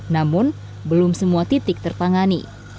namun belum semua titik tertangani